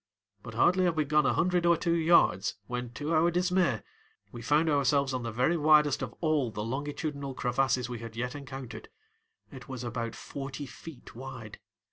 But hardly had we gone a hundred or two yards when to our dismay we found ourselves on the very widest of all the longitudinal crevasses we had yet encountered. It was about forty feet wide.